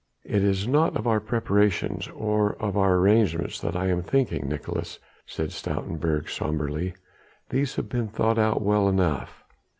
"It is not of our preparations or of our arrangements that I am thinking, Nicolaes," said Stoutenburg sombrely, "these have been thought out well enough.